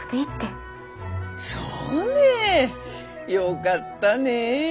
そうねよかったねえ。